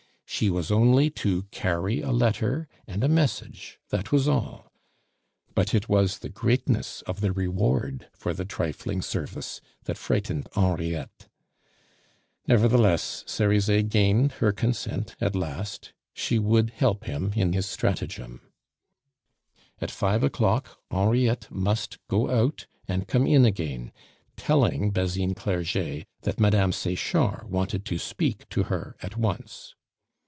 She was only to carry a letter and a message, that was all; but it was the greatness of the reward for the trifling service that frightened Henriette. Nevertheless, Cerizet gained her consent at last; she would help him in his stratagem. At five o'clock Henriette must go out and come in again, telling Basine Clerget that Mme. Sechard wanted to speak to her at once.